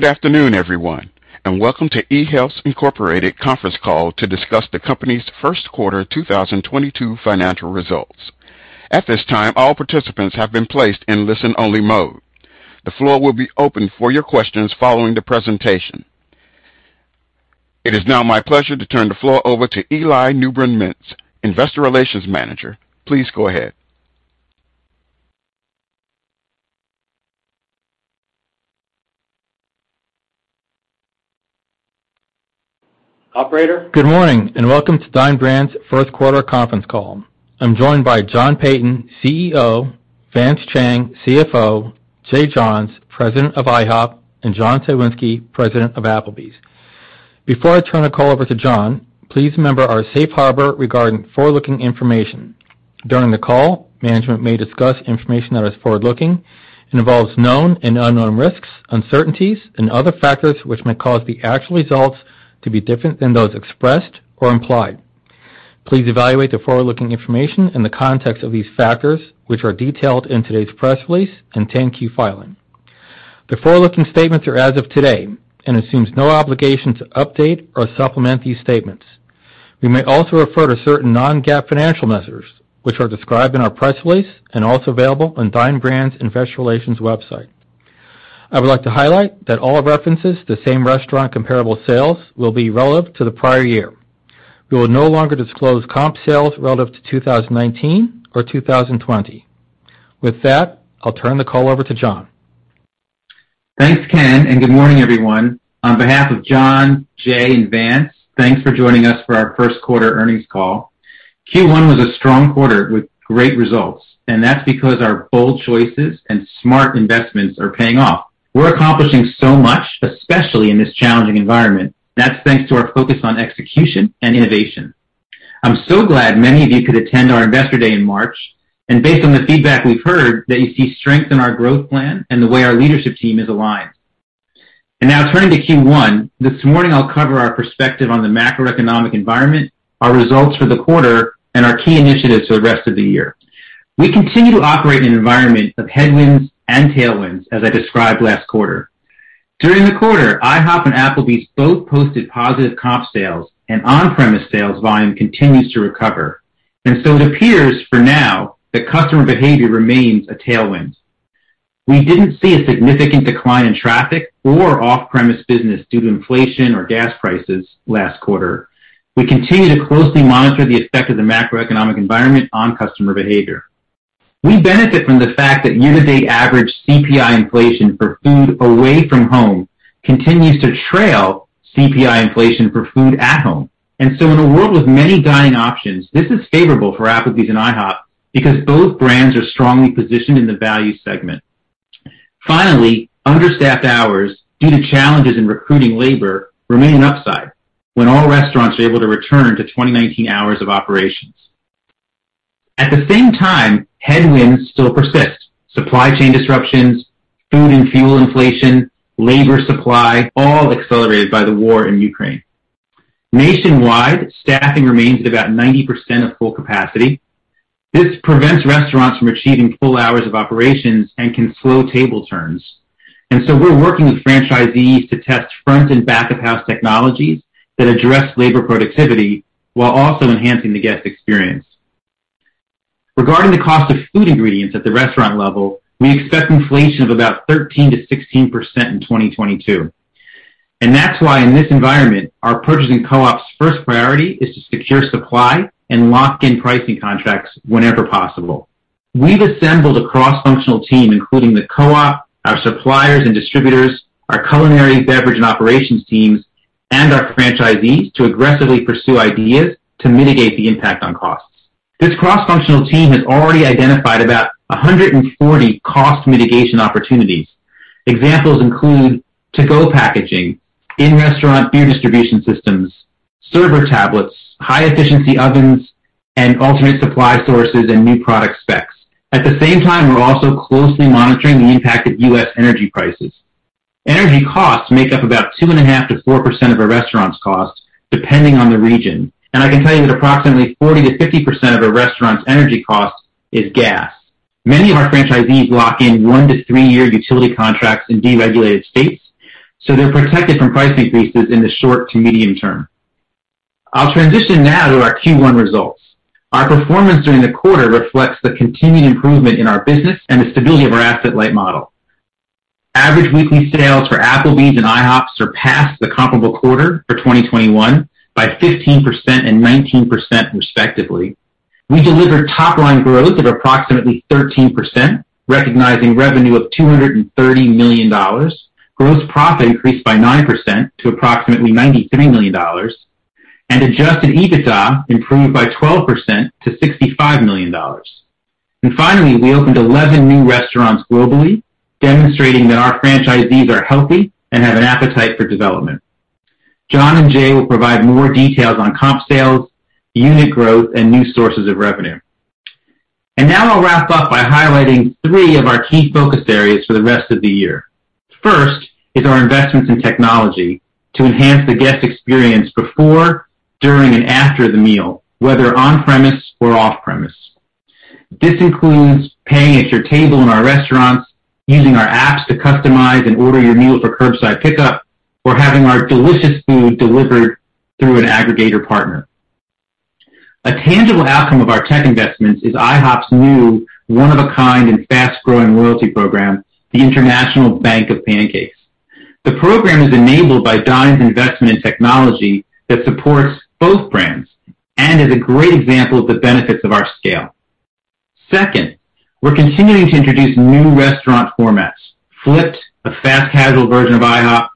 Good afternoon, everyone, and welcome to Dine Brands Global Conference Call to Discuss The Company's First quarter 2022 Financial Results. At this time, all participants have been placed in listen-only mode. The floor will be open for your questions following the presentation. It is now my pleasure to turn the floor over to Eli Newbrun-Mintz, Investor Relations Manager. Please go ahead. Operator? Good morning, and welcome to Dine Brands First Quarter Conference Call. I'm joined by John Peyton, CEO, Vance Chang, CFO, Jay Johns, President of IHOP, and John Cywinski, President of Applebee's. Before I turn the call over to John, please remember our safe harbor regarding forward-looking information. During the call, management may discuss information that is forward-looking and involves known and unknown risks, uncertainties, and other factors which may cause the actual results to be different than those expressed or implied. Please evaluate the forward-looking information in the context of these factors, which are detailed in today's press release and 10-Q filing. The forward-looking statements are as of today and assumes no obligation to update or supplement these statements. We may also refer to certain non-GAAP financial measures, which are described in our press release and also available on Dine Brands' investor relations website. I would like to highlight that all references to same-restaurant comparable sales will be relevant to the prior-year. We will no longer disclose comp sales relative to 2019 or 2020. With that, I'll turn the call over to John. Thanks, Ken, and good morning, everyone. On behalf of John, Jay, and Vance, thanks for joining us for our First Quarter Earnings Call. Q1 was a strong quarter with great results, and that's because our bold choices and smart investments are paying off. We're accomplishing so much, especially in this challenging environment. That's thanks to our focus on execution and innovation. I'm so glad many of you could attend our Investor Day in March, and based on the feedback we've heard, that you see strength in our growth plan and the way our leadership team is aligned. Now turning to Q1, this morning I'll cover our perspective on the macroeconomic environment, our results for the quarter, and our key initiatives for the rest of the year. We continue to operate in an environment of headwinds and tailwinds, as I described last quarter. During the quarter, IHOP and Applebee's both posted positive comp sales and on-premise sales volume continues to recover. It appears for now that customer behavior remains a tailwind. We didn't see a significant decline in traffic or off-premise business due to inflation or gas prices last quarter. We continue to closely monitor the effect of the macroeconomic environment on customer behavior. We benefit from the fact that year-to-date average CPI inflation for food away from home continues to trail CPI inflation for food at home. In a world with many dining options, this is favorable for Applebee's and IHOP because both brands are strongly positioned in the value segment. Finally, understaffed hours due to challenges in recruiting labor remain an upside when all restaurants are able to return to 2019 hours of operations. At the same time, headwinds still persist. Supply chain disruptions, food and fuel inflation, labor supply, all accelerated by the war in Ukraine. Nationwide, staffing remains at about 90% of full capacity. This prevents restaurants from achieving full hours of operations and can slow table turns. We're working with franchisees to test front and back of house technologies that address labor productivity while also enhancing the guest experience. Regarding the cost of food ingredients at the restaurant level, we expect inflation of about 13%-16% in 2022. That's why in this environment, our purchasing co-op's first priority is to secure supply and lock in pricing contracts whenever possible. We've assembled a cross-functional team, including the co-op, our suppliers and distributors, our culinary beverage and operations teams, and our franchisees to aggressively pursue ideas to mitigate the impact on costs. This cross-functional team has already identified about 140 cost mitigation opportunities. Examples include to-go packaging, in-restaurant beer distribution systems, server tablets, high-efficiency ovens, and alternate supply sources and new product specs. At the same time, we're also closely monitoring the impact of U.S. energy prices. Energy costs make up about 2.5%-4% of a restaurant's cost, depending on the region. I can tell you that approximately 40%-50% of a restaurant's energy cost is gas. Many of our franchisees lock in one- to three-year utility contracts in deregulated states, so they're protected from price increases in the short-to medium-term. I'll transition now to our Q1 results. Our performance during the quarter reflects the continued improvement in our business and the stability of our asset-light model. Average weekly sales for Applebee's and IHOP surpassed the comparable quarter for 2021 by 15% and 19% respectively. We delivered top line growth of approximately 13%, recognizing revenue of $230 million. Gross profit increased by 9% to approximately $93 million. Adjusted EBITDA improved by 12% to $65 million. Finally, we opened 11 new restaurants globally, demonstrating that our franchisees are healthy and have an appetite for development. John and Jay will provide more details on comp sales, unit growth, and new sources of revenue. Now I'll wrap up by highlighting three of our key focus areas for the rest of the year. First is our investments in technology to enhance the guest experience before, during, and after the meal, whether on-premise or off-premise. This includes paying at your table in our restaurants, using our apps to customize and order your meal for curbside pickup, or having our delicious food delivered through an aggregator partner. A tangible outcome of our tech investments is IHOP's new one-of-a-kind and fast-growing loyalty program, the International Bank of Pancakes. The program is enabled by Dine's investment in technology that supports both brands and is a great example of the benefits of our scale. Second, we're continuing to introduce new restaurant formats. Flip'd, a fast casual version of IHOP,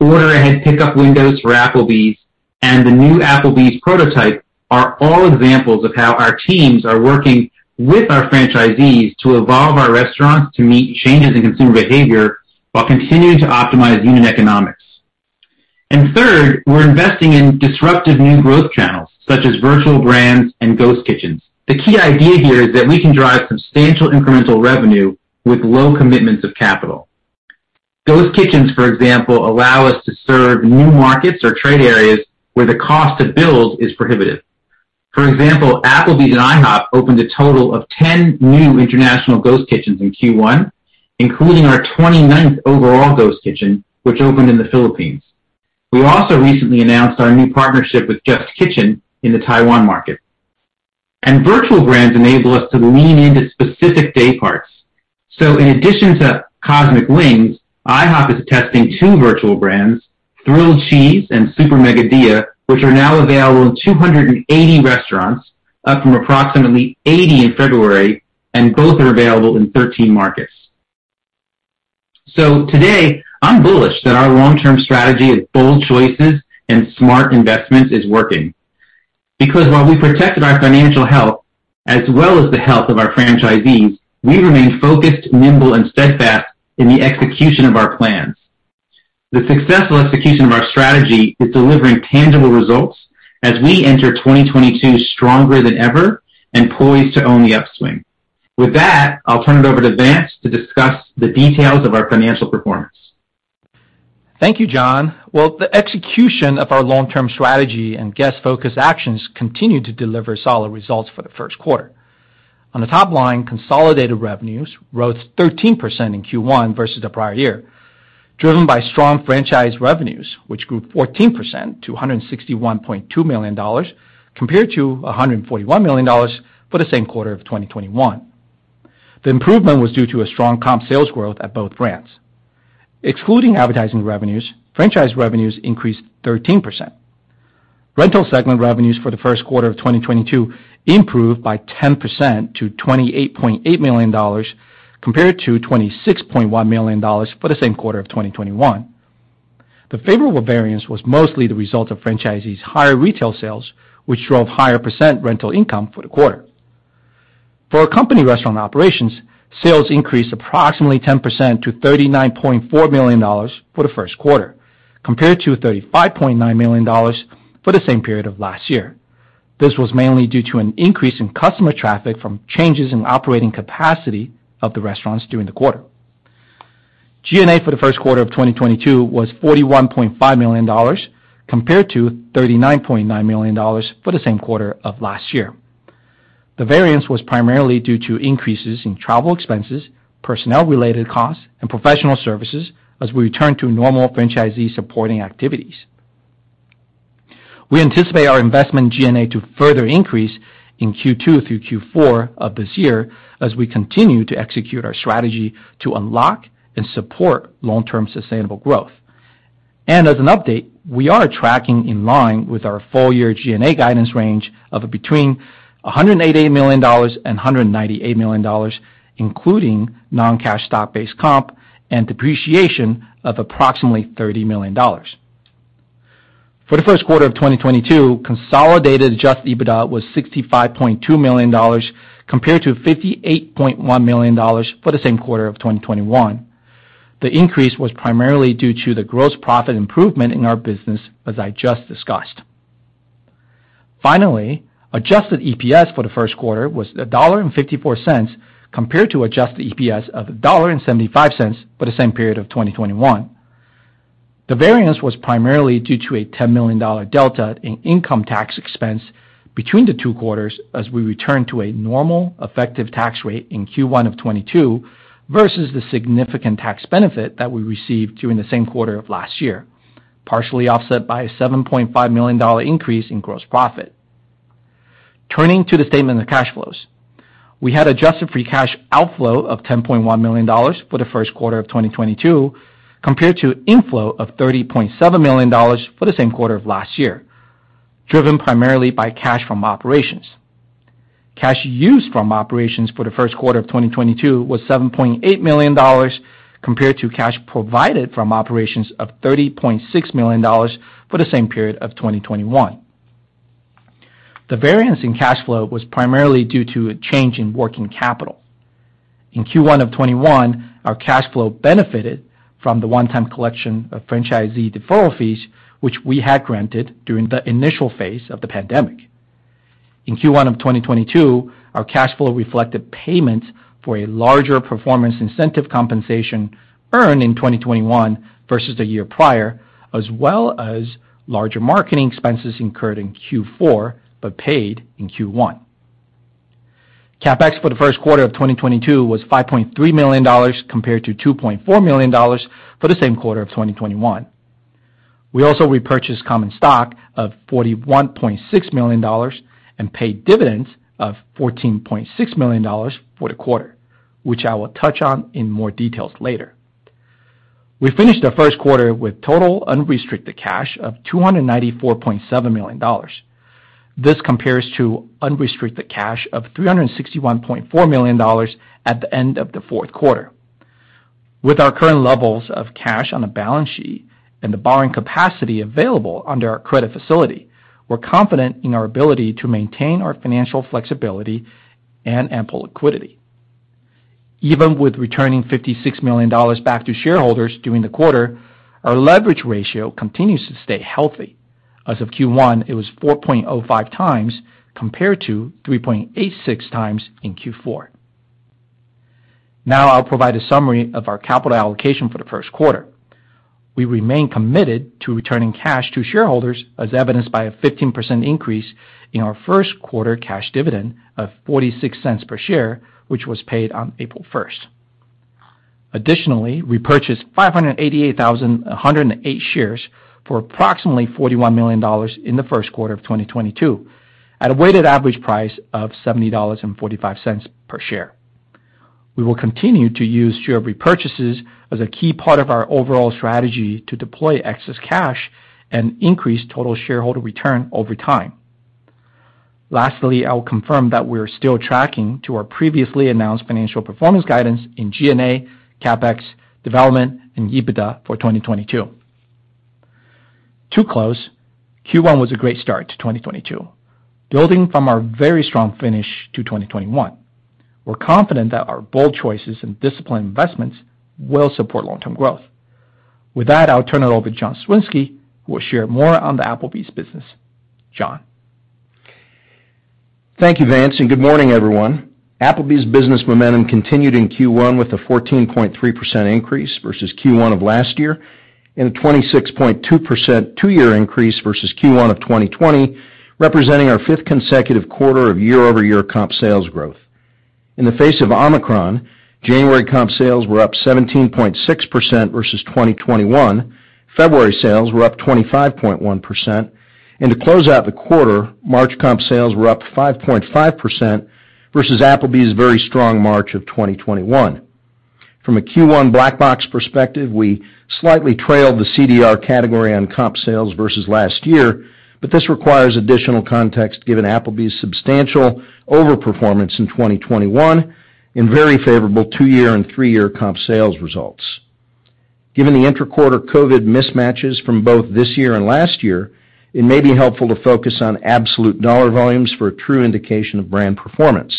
order ahead pickup windows for Applebee's, and the new Applebee's prototype are all examples of how our teams are working with our franchisees to evolve our restaurants to meet changes in consumer behavior while continuing to optimize unit economics. Third, we're investing in disruptive new growth channels such as virtual brands and ghost kitchens. The key idea here is that we can drive substantial incremental revenue with low commitments of capital. Ghost kitchens, for example, allow us to serve new markets or trade areas where the cost to build is prohibitive. For example, Applebee's and IHOP opened a total of 10 new international ghost kitchens in Q1, including our 29th overall ghost kitchen, which opened in the Philippines. We also recently announced our new partnership with JustKitchen in the Taiwan market. Virtual brands enable us to lean into specific day parts. In addition to Cosmic Wings, IHOP is testing two virtual brands, Thrilled Cheese and Super Mega Dilla, which are now available in 280 restaurants, up from approximately 80 in February, and both are available in 13 markets. Today, I'm bullish that our long-term strategy of bold choices and smart investments is working. Because while we protected our financial health as well as the health of our franchisees, we remain focused, nimble, and steadfast in the execution of our plans. The successful execution of our strategy is delivering tangible results as we enter 2022 stronger than ever and poised to own the upswing. With that, I'll turn it over to Vance to discuss the details of our financial performance. Thank you, John. Well, the execution of our long-term strategy and guest-focused actions continued to deliver solid results for the first quarter. On the top line, consolidated revenues rose 13% in Q1 versus the prior-year, driven by strong franchise revenues, which grew 14% to $161.2 million compared to $141 million for the same quarter of 2021. The improvement was due to a strong comp sales growth at both brands. Excluding advertising revenues, franchise revenues increased 13%. Rental segment revenues for the first quarter of 2022 improved by 10% to $28.8 million compared to $26.1 million for the same quarter of 2021. The favorable variance was mostly the result of franchisees' higher retail sales, which drove higher percentage rental income for the quarter. For our company restaurant operations, sales increased approximately 10% to $39.4 million for the first quarter, compared to $35.9 million for the same period of last year. This was mainly due to an increase in customer traffic from changes in operating capacity of the restaurants during the quarter. G&A for the first quarter of 2022 was $41.5 million, compared to $39.9 million for the same quarter of last year. The variance was primarily due to increases in travel expenses, personnel-related costs, and professional services as we return to normal franchisee supporting activities. We anticipate our investment in G&A to further increase in Q2 through Q4 of this year as we continue to execute our strategy to unlock and support long-term sustainable growth. As an update, we are tracking in line with our full-year G&A guidance range of between $188 million-$198 million, including non-cash stock-based comp and depreciation of approximately $30 million. For the first quarter of 2022, consolidated adjusted EBITDA was $65.2 million, compared to $58.1 million for the same quarter of 2021. The increase was primarily due to the gross profit improvement in our business, as I just discussed. Finally, adjusted EPS for the first quarter was $1.54 compared to adjusted EPS of $1.75 for the same period of 2021. The variance was primarily due to a $10 million delta in income tax expense between the two quarters as we return to a normal effective tax rate in Q1 of 2022 versus the significant tax benefit that we received during the same quarter of last year, partially offset by a $7.5 million increase in gross profit. Turning to the statement of cash flows. We had adjusted free cash outflow of $10.1 million for the first quarter of 2022, compared to inflow of $30.7 million for the same quarter of last year, driven primarily by cash from operations. Cash used from operations for the first quarter of 2022 was $7.8 million compared to cash provided from operations of $30.6 million for the same period of 2021. The variance in cash flow was primarily due to a change in working capital. In Q1 of 2021, our cash flow benefited from the one-time collection of franchisee deferral fees, which we had granted during the initial phase of the pandemic. In Q1 of 2022, our cash flow reflected payments for a larger performance incentive compensation earned in 2021 versus the year prior, as well as larger marketing expenses incurred in Q4, but paid in Q1. CapEx for the first quarter of 2022 was $5.3 million compared to $2.4 million for the same quarter of 2021. We also repurchased common stock of $41.6 million and paid dividends of $14.6 million for the quarter, which I will touch on in more details later. We finished the first quarter with total unrestricted cash of $294.7 million. This compares to unrestricted cash of $361.4 million at the end of the fourth quarter. With our current levels of cash on the balance sheet and the borrowing capacity available under our credit facility, we're confident in our ability to maintain our financial flexibility and ample liquidity. Even with returning $56 million back to shareholders during the quarter, our leverage ratio continues to stay healthy. As of Q1, it was 4.05x compared to 3.86x in Q4. Now I'll provide a summary of our capital allocation for the first quarter. We remain committed to returning cash to shareholders, as evidenced by a 15% increase in our first quarter cash dividend of $0.46 per share, which was paid on April 1. Additionally, we purchased 588,108 shares for approximately $41 million in the first quarter of 2022 at a weighted average price of $70.45 per share. We will continue to use share repurchases as a key part of our overall strategy to deploy excess cash and increase total shareholder return over time. Lastly, I will confirm that we're still tracking to our previously announced financial performance guidance in G&A, CapEx, development and EBITDA for 2022. To close, Q1 was a great start to 2022. Building from our very strong finish to 2021, we're confident that our bold choices and disciplined investments will support long-term growth. With that, I'll turn it over to John Cywinski, who will share more on the Applebee's business. John. Thank you, Vance, and good morning, everyone. Applebee's business momentum continued in Q1 with a 14.3% increase versus Q1 of last year and a 26.2% two-year increase versus Q1 of 2020, representing our fifth consecutive quarter of year-over-year comp sales growth. In the face of Omicron, January comp sales were up 17.6% versus 2021, February sales were up 25.1%, and to close out the quarter, March comp sales were up 5.5% versus Applebee's very strong March of 2021. From a Q1 black box perspective, we slightly trailed the CDR category on comp sales versus last year, but this requires additional context given Applebee's substantial overperformance in 2021 and very favorable two-year and three-year comp sales results. Given the inter-quarter COVID mismatches from both this year and last year, it may be helpful to focus on absolute dollar volumes for a true indication of brand performance.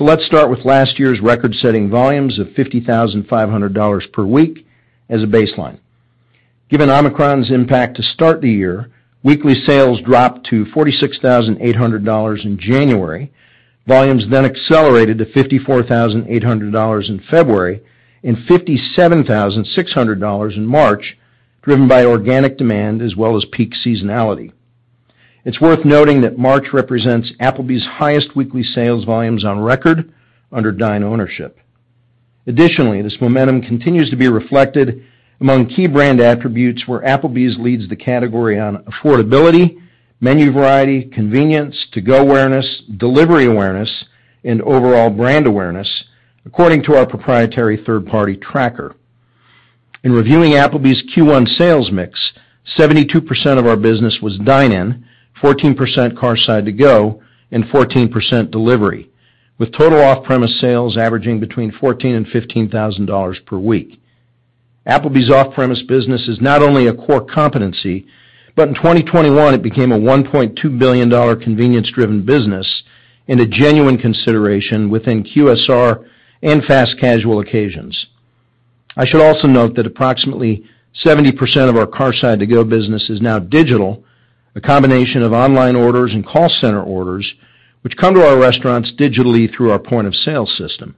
Let's start with last year's record-setting volumes of $50,500 per week as a baseline. Given Omicron's impact to start the year, weekly sales dropped to $46,800 in January. Volumes then accelerated to $54,800 in February and $57,600 in March, driven by organic demand as well as peak seasonality. It's worth noting that March represents Applebee's highest weekly sales volumes on record under Dine ownership. Additionally, this momentum continues to be reflected among key brand attributes where Applebee's leads the category on affordability, menu variety, convenience, to-go awareness, delivery awareness, and overall brand awareness, according to our proprietary third-party tracker. In reviewing Applebee's Q1 sales mix, 72% of our business was dine-in, 14% car-side to-go, and 14% delivery, with total off-premise sales averaging between $14,000-$15,000 per week. Applebee's off-premise business is not only a core competency, but in 2021 it became a $1.2 billion convenience-driven business and a genuine consideration within QSR and fast casual occasions. I should also note that approximately 70% of our car-side to-go business is now digital, a combination of online orders and call center orders, which come to our restaurants digitally through our point-of-sale system.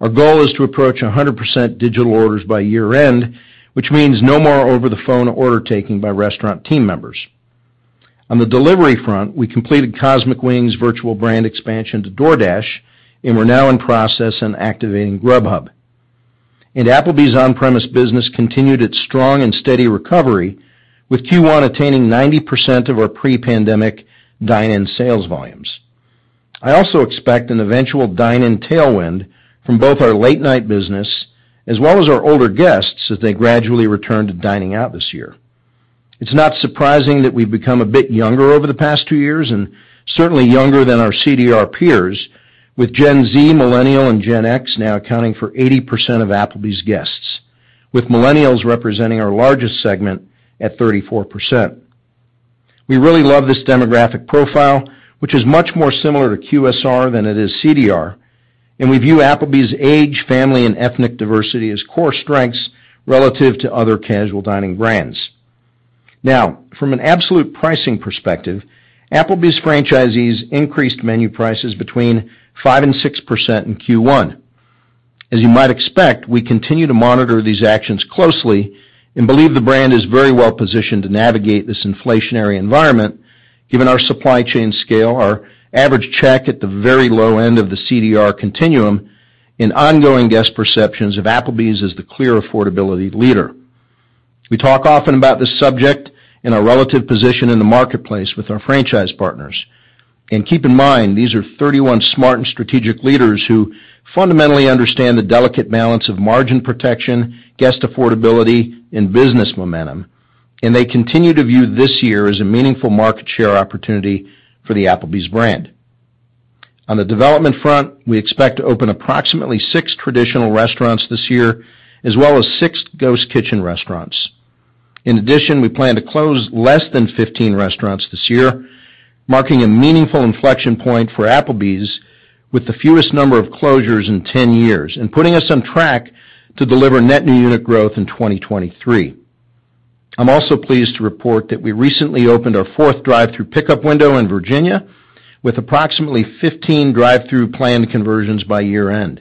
Our goal is to approach 100% digital orders by year-end, which means no more over-the-phone order taking by restaurant team members. On the delivery front, we completed Cosmic Wings virtual brand expansion to DoorDash, and we're now in the process of activating Grubhub. Applebee's on-premise business continued its strong and steady recovery, with Q1 attaining 90% of our pre-pandemic dine-in sales volumes. I also expect an eventual dine-in tailwind from both our late-night business as well as our older guests as they gradually return to dining out this year. It's not surprising that we've become a bit younger over the past two years, and certainly younger than our CDR peers, with Gen Z, millennial, and Gen X now accounting for 80% of Applebee's guests, with millennials representing our largest segment at 34%. We really love this demographic profile, which is much more similar to QSR than it is CDR, and we view Applebee's age, family, and ethnic diversity as core strengths relative to other casual dining brands. Now, from an absolute pricing perspective, Applebee's franchisees increased menu prices between 5%-6% in Q1. As you might expect, we continue to monitor these actions closely and believe the brand is very well positioned to navigate this inflationary environment, given our supply chain scale, our average check at the very low end of the CDR continuum and ongoing guest perceptions of Applebee's as the clear affordability leader. We talk often about this subject and our relative position in the marketplace with our franchise partners. Keep in mind, these are 31 smart and strategic leaders who fundamentally understand the delicate balance of margin protection, guest affordability and business momentum, and they continue to view this year as a meaningful market share opportunity for the Applebee's brand. On the development front, we expect to open approximately six traditional restaurants this year, as well as six ghost kitchen restaurants. In addition, we plan to close less than 15 restaurants this year, marking a meaningful inflection point for Applebee's with the fewest number of closures in 10 years and putting us on track to deliver net new unit growth in 2023. I'm also pleased to report that we recently opened our fourth drive-thru pickup window in Virginia with approximately 15 drive-thru planned conversions by year-end.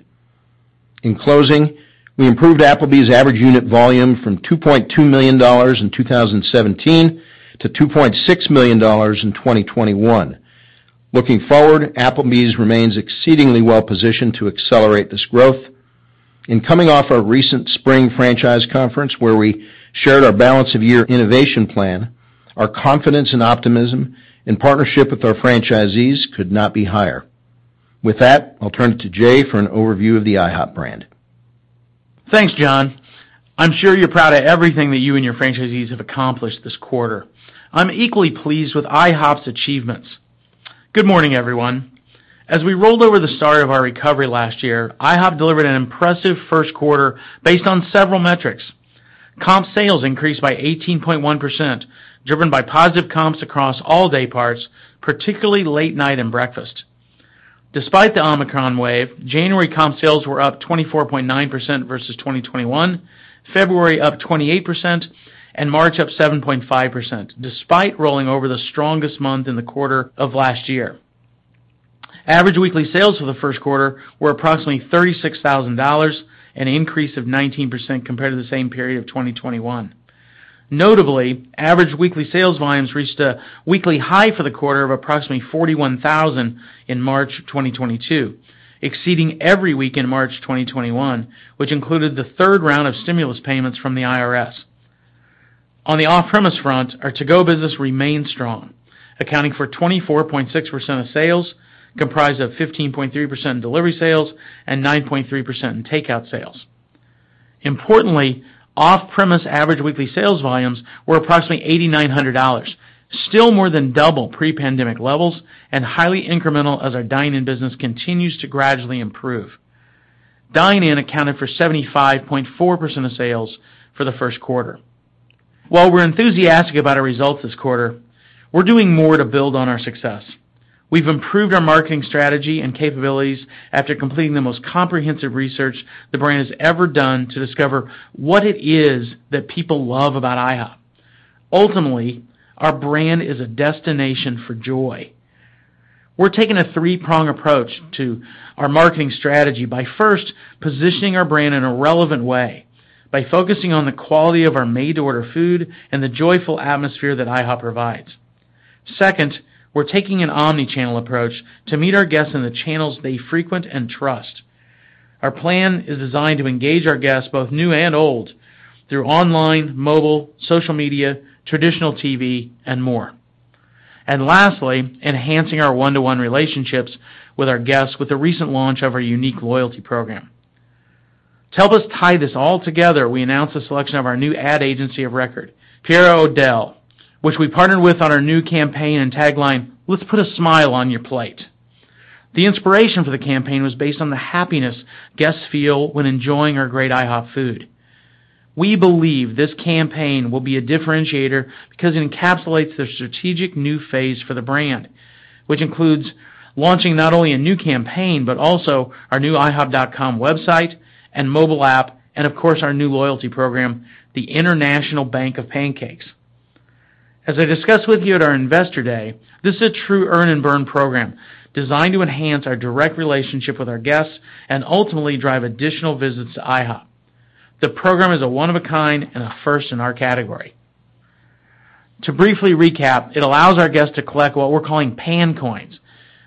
In closing, we improved Applebee's average unit volume from $2.2 million in 2017 to $2.6 million in 2021. Looking forward, Applebee's remains exceedingly well positioned to accelerate this growth. And coming off our recent spring franchise conference, where we shared our balance of year innovation plan, our confidence, optimism, and partnership with our franchisees could not be higher. With that, I'll turn it to Jay for an overview of the IHOP brand. Thanks, John. I'm sure you're proud of everything that you and your franchisees have accomplished this quarter. I'm equally pleased with IHOP's achievements. Good morning, everyone. As we rolled over the start of our recovery last year, IHOP delivered an impressive first quarter based on several metrics. Comp sales increased by 18.1%, driven by positive comps across all day parts, particularly late night and breakfast. Despite the Omicron wave, January comp sales were up 24.9% versus 2021, February up 28%, and March up 7.5%, despite rolling over the strongest month in the quarter of last year. Average weekly sales for the first quarter were approximately $36,000, an increase of 19% compared to the same period of 2021. Notably, average weekly sales volumes reached a weekly high for the quarter of approximately 41,000 in March 2022, exceeding every week in March 2021, which included the third round of stimulus payments from the IRS. On the off-premise front, our to-go business remained strong, accounting for 24.6% of sales, comprised of 15.3% in delivery sales and 9.3% in takeout sales. Importantly, off-premise average weekly sales volumes were approximately $8,900, still more than double pre-pandemic levels and highly incremental as our dine-in business continues to gradually improve. Dine-in accounted for 75.4% of sales for the first quarter. While we're enthusiastic about our results this quarter, we're doing more to build on our success. We've improved our marketing strategy and capabilities after completing the most comprehensive research the brand has ever done to discover what it is that people love about IHOP. Ultimately, our brand is a destination for joy. We're taking a three-prong approach to our marketing strategy by first positioning our brand in a relevant way, by focusing on the quality of our made-to-order food and the joyful atmosphere that IHOP provides. Second, we're taking an omni-channel approach to meet our guests in the channels they frequent and trust. Our plan is designed to engage our guests, both new and old, through online, mobile, social media, traditional TV, and more. Lastly, enhancing our one-to-one relationships with our guests with the recent launch of our unique loyalty program. To help us tie this all together, we announced the selection of our new ad agency of record, Pereira O'Dell, which we partnered with on our new campaign and tagline, "Let's put a smile on your plate." The inspiration for the campaign was based on the happiness guests feel when enjoying our great IHOP food. We believe this campaign will be a differentiator because it encapsulates the strategic new phase for the brand, which includes launching not only a new campaign, but also our new ihop.com website and mobile app and, of course, our new loyalty program, the International Bank of Pancakes. As I discussed with you at our Investor Day, this is a true earn and burn program designed to enhance our direct relationship with our guests and ultimately drive additional visits to IHOP. The program is a one of a kind and a first in our category. To briefly recap, it allows our guests to collect what we're calling Pan Coins,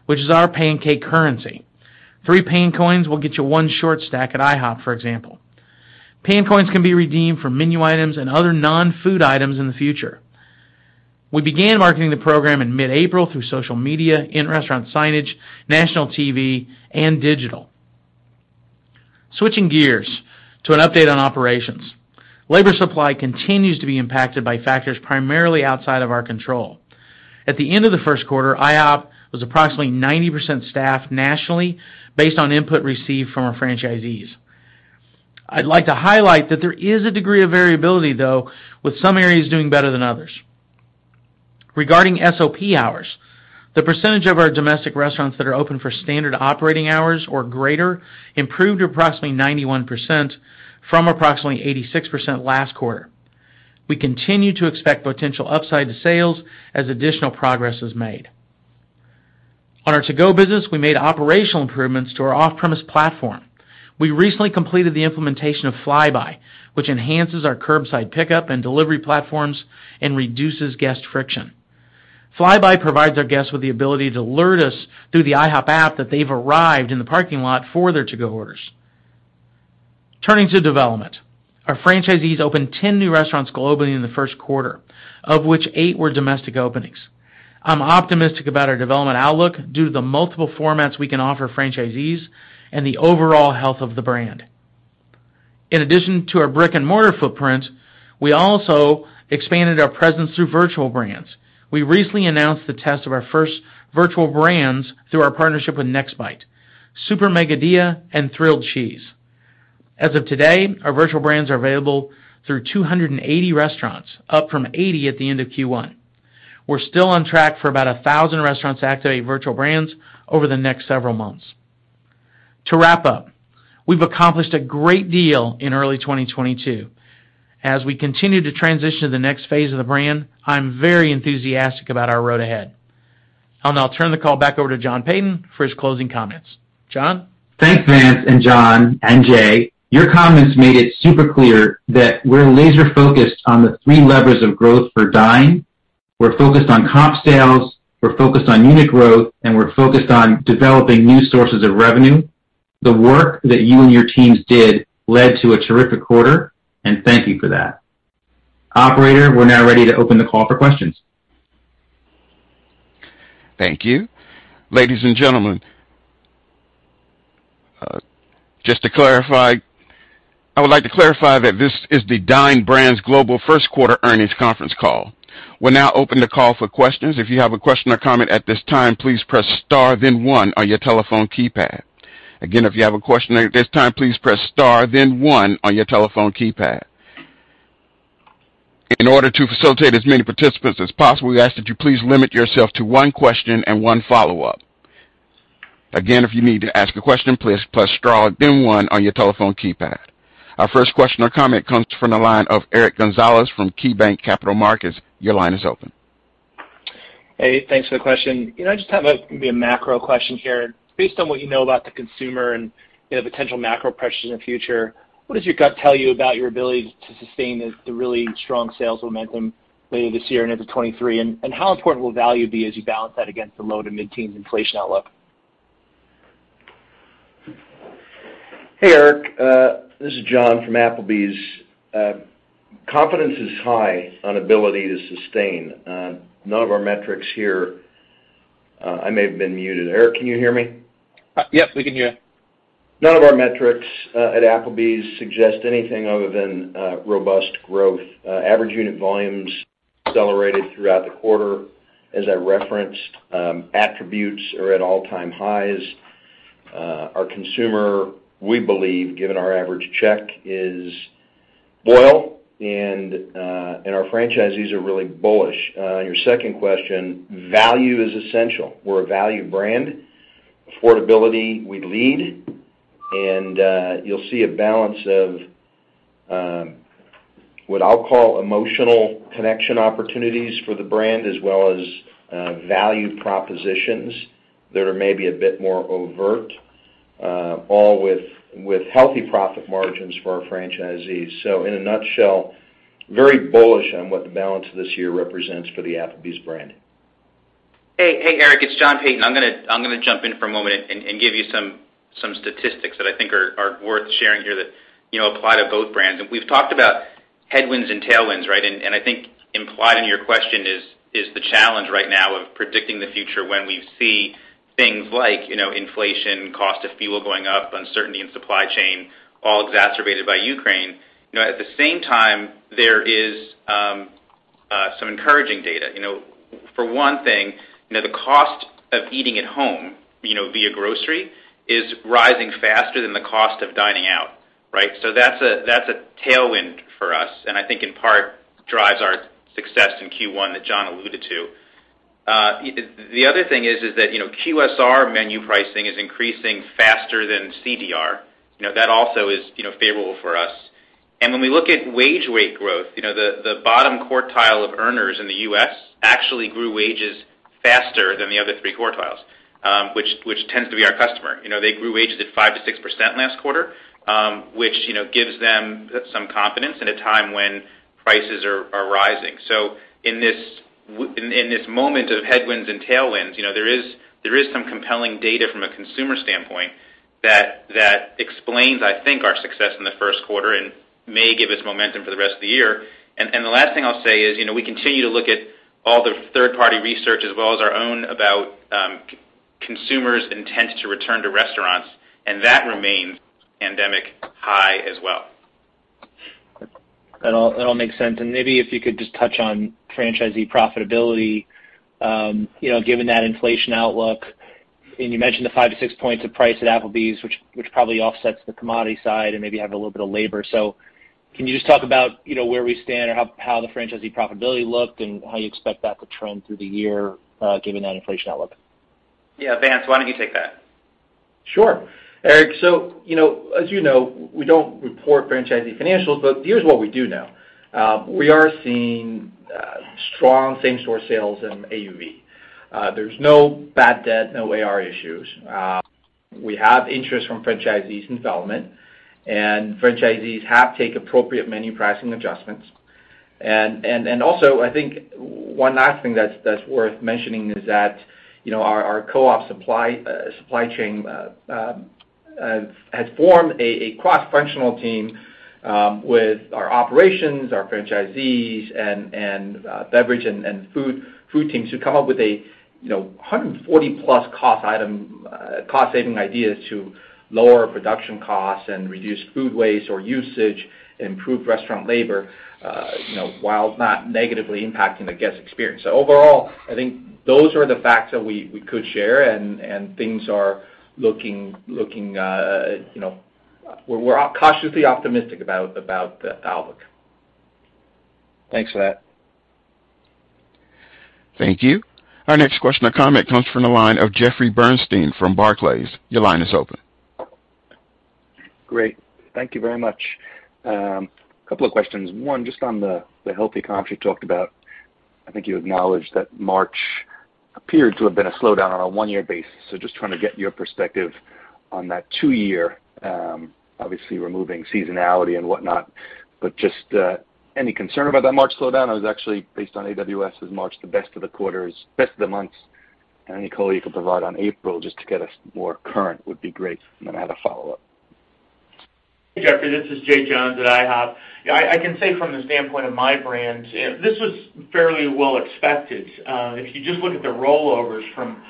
which is our pancake currency. Three Pan Coins will get you one short stack at IHOP, for example. Pan Coins can be redeemed for menu items and other non-food items in the future. We began marketing the program in mid-April through social media, in-restaurant signage, national TV, and digital. Switching gears to an update on operations. Labor supply continues to be impacted by factors primarily outside of our control. At the end of the first quarter, IHOP was approximately 90% staffed nationally based on input received from our franchisees. I'd like to highlight that there is a degree of variability, though, with some areas doing better than others. Regarding SOP hours, the percentage of our domestic restaurants that are open for standard operating hours or greater improved approximately 91% from approximately 86% last quarter. We continue to expect potential upside to sales as additional progress is made. On our to-go business, we made operational improvements to our off-premise platform. We recently completed the implementation of Fly-By, which enhances our curbside pickup and delivery platforms and reduces guest friction. Fly-By provides our guests with the ability to alert us through the IHOP app that they've arrived in the parking lot for their to-go orders. Turning to development. Our franchisees opened 10 new restaurants globally in the first quarter, of which eight were domestic openings. I'm optimistic about our development outlook due to the multiple formats we can offer franchisees and the overall health of the brand. In addition to our brick-and-mortar footprint, we also expanded our presence through virtual brands. We recently announced the test of our first virtual brands through our partnership with Nextbite, Super Mega Dilla and Thrilled Cheese. As of today, our virtual brands are available through 280 restaurants, up from 80 at the end of Q1. We're still on track for about 1,000 restaurants to activate virtual brands over the next several months. To wrap up, we've accomplished a great deal in early 2022. As we continue to transition to the next phase of the brand, I'm very enthusiastic about our road ahead. I'll now turn the call back over to John Peyton for his closing comments. John? Thanks, Vance and John and Jay. Your comments made it super clear that we're laser-focused on the three levers of growth for Dine. We're focused on comp sales, we're focused on unit growth, and we're focused on developing new sources of revenue. The work that you and your teams did led to a terrific quarter, and thank you for that. Operator, we're now ready to open the call for questions. Thank you. Ladies and gentlemen, just to clarify, I would like to clarify that this is the Dine Brands Global First Quarter Earnings Conference Call. We'll now open the call for questions. If you have a question or comment at this time, please press star then one on your telephone keypad. Again, if you have a question at this time, please press star then one on your telephone keypad. In order to facilitate as many participants as possible, we ask that you please limit yourself to one question and one follow-up. Again, if you need to ask a question, please press star then one on your telephone keypad. Our first question or comment comes from the line of Eric Gonzalez from KeyBanc Capital Markets. Your line is open. Hey, thanks for the question. You know, I just have a maybe a macro question here. Based on what you know about the consumer and, you know, potential macro pressures in the future, what does your gut tell you about your ability to sustain the really strong sales momentum later this year and into 2023, and how important will value be as you balance that against the low to mid-teens inflation outlook? Hey, Eric, this is John from Applebee's. Confidence is high on ability to sustain none of our metrics here. I may have been muted. Eric, can you hear me? Yes, we can hear. None of our metrics at Applebee's suggest anything other than robust growth. Average unit volumes accelerated throughout the quarter. As I referenced, attributes are at all-time highs. Our consumer, we believe, given our average check, is loyal, and our franchisees are really bullish. Your second question, value is essential. We're a value brand. Affordability, we lead. You'll see a balance of what I'll call emotional connection opportunities for the brand as well as value propositions that are maybe a bit more overt, all with healthy profit margins for our franchisees. In a nutshell, very bullish on what the balance of this year represents for the Applebee's brand. Hey, Eric. It's John Peyton. I'm gonna jump in for a moment and give you some statistics that I think are worth sharing here that, you know, apply to both brands. We've talked about headwinds and tailwinds, right? I think implied in your question is the challenge right now of predicting the future when we see things like, you know, inflation, cost of fuel going up, uncertainty in supply chain, all exacerbated by Ukraine. You know, at the same time, there is some encouraging data. You know, for one thing, you know, the cost of eating at home, you know, via grocery, is rising faster than the cost of dining out, right? That's a tailwind for us, and I think in part drives our success in Q1 that John alluded to. The other thing is that, you know, QSR menu pricing is increasing faster than CDR. You know, that also is, you know, favorable for us. When we look at wage rate growth, you know, the bottom quartile of earners in the U.S. actually grew wages faster than the other three quartiles, which tends to be our customer. You know, they grew wages at 5%-6% last quarter, which, you know, gives them some confidence at a time when prices are rising. In this moment of headwinds and tailwinds, you know, there is some compelling data from a consumer standpoint that explains, I think, our success in the first quarter and may give us momentum for the rest of the year. The last thing I'll say is, you know, we continue to look at all the third-party research as well as our own about consumers' intent to return to restaurants, and that remains pandemic high as well. That all makes sense. Maybe if you could just touch on franchisee profitability, you know, given that inflation outlook, and you mentioned the five-six points of price at Applebee's, which probably offsets the commodity side and maybe have a little bit of labor. Can you just talk about, you know, where we stand or how the franchisee profitability looked and how you expect that to trend through the year, given that inflation outlook? Yeah, Vance, why don't you take that? Sure, Eric. So, you know, as you know, we don't report franchisee financials, but here's what we do know. We are seeing strong same-store sales in AUV. There's no bad debt, no AR issues. We have interest from franchisees in development, and franchisees have taken appropriate menu pricing adjustments. Also, I think one last thing that's worth mentioning is that, you know, our co-op supply chain has formed a cross-functional team with our operations, our franchisees and beverage and food teams to come up with, you know, 140+ cost-saving ideas to lower production costs and reduce food waste or usage, improve restaurant labor while not negatively impacting the guest experience. Overall, I think those are the facts that we could share, and things are looking, you know. We're cautiously optimistic about the outlook. Thanks for that. Thank you. Our next question or comment comes from the line of Jeffrey Bernstein from Barclays. Your line is open. Great. Thank you very much. Couple of questions. One, just on the healthy comps you talked about. I think you acknowledged that March appeared to have been a slowdown on a one-year basis. Just trying to get your perspective on that two-year, obviously removing seasonality and whatnot, but just, any concern about that March slowdown? It was actually based on AWS as of March the best of the quarters, best of the months. Any color you could provide on April just to get us more current would be great. I had a follow-up. Hey, Jeffrey, this is Jay Johns at IHOP. I can say from the standpoint of my brand, this was fairly well expected. If you just look at the rollovers from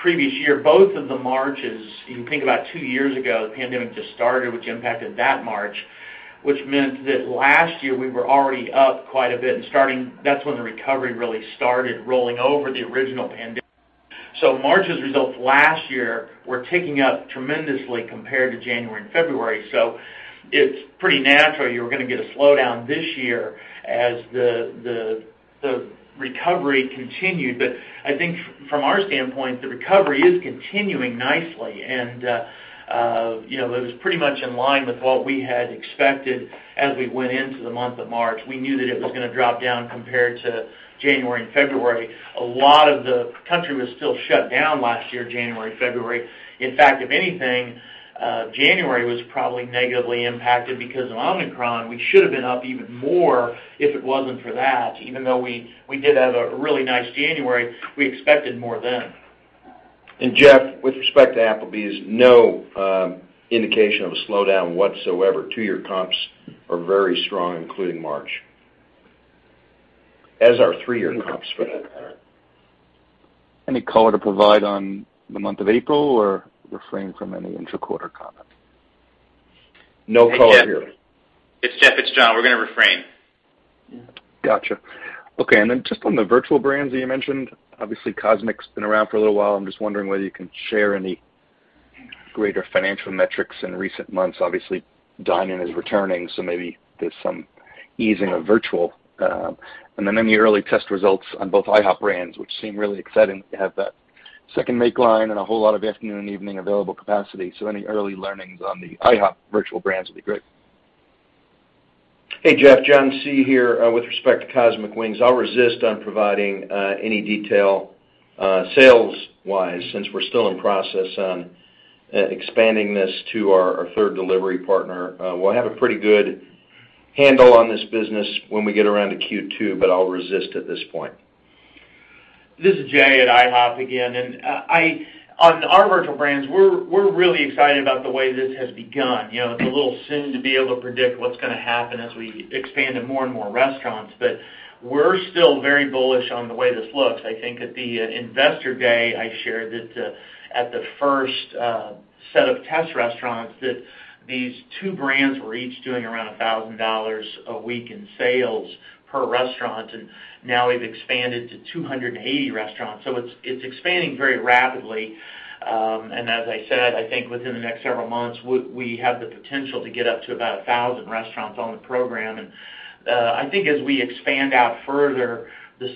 previous year, both of the Marches, you think about two years ago, the pandemic just started, which impacted that March, which meant that last year we were already up quite a bit and that's when the recovery really started rolling over the original pandemic. March's results last year were ticking up tremendously compared to January and February. It's pretty natural you were gonna get a slowdown this year as the recovery continued. I think from our standpoint, the recovery is continuing nicely. You know, it was pretty much in line with what we had expected as we went into the month of March. We knew that it was gonna drop down compared to January and February. A lot of the country was still shut down last year, January, February. In fact, if anything, January was probably negatively impacted because of Omicron. We should have been up even more if it wasn't for that. Even though we did have a really nice January, we expected more than. Jeff, with respect to Applebee's, no indication of a slowdown whatsoever. Two-year comps are very strong, including March, as are three-year comps for that matter. Any color to provide on the month of April, or refrain from any intra-quarter comment? No color here. Hey, Jeff. It's John. We're gonna refrain. Gotcha. Okay. Just on the virtual brands that you mentioned, obviously Cosmic been around for a little while. I'm just wondering whether you can share any greater financial metrics in recent months. Obviously, dining is returning, so maybe there's some easing of virtual. Any early test results on both IHOP brands, which seem really exciting to have that second make line and a whole lot of afternoon and evening available capacity. Any early learnings on the IHOP virtual brands would be great. Hey, Jeff, John C here. With respect to Cosmic Wings, I'll resist on providing any detail sales-wise since we're still in process on expanding this to our third delivery partner. We'll have a pretty good handle on this business when we get around to Q2, but I'll resist at this point. This is Jay Johns at IHOP again. On our virtual brands, we're really excited about the way this has begun. You know, it's a little soon to be able to predict what's gonna happen as we expand to more and more restaurants, but we're still very bullish on the way this looks. I think at the Investor Day, I shared that at the first set of test restaurants, these two brands were each doing around $1,000 a week in sales per restaurant, and now we've expanded to 280 restaurants. It's expanding very rapidly. As I said, I think within the next several months, we have the potential to get up to about 1,000 restaurants on the program. I think as we expand out further, this